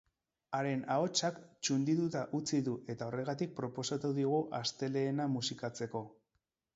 Haren ahotsak txundituta utzi du, eta horregatik proposatu digu astelehena musikatzeko.